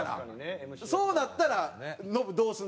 そうなったら、ノブどうするの？